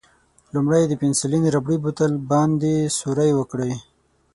لومړی د پنسیلین ربړي بوتل باندې سوری وکړئ.